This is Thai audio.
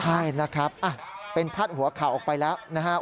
ใช่นะครับเป็นพาดหัวข่าวออกไปแล้วนะครับ